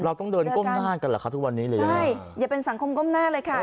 เราต้องเดินก้มหน้ากันเหรอคะทุกวันนี้เลยใช่อย่าเป็นสังคมก้มหน้าเลยค่ะ